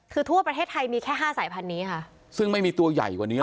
คือทั่วประเทศไทยมีแค่ห้าสายพันธุ์นี้ค่ะซึ่งไม่มีตัวใหญ่กว่านี้